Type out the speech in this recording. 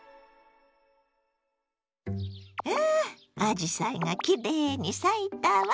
わああじさいがきれいに咲いたわ。